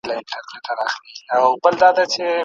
چي بېلتون یې د مرګي په خوب ویده سي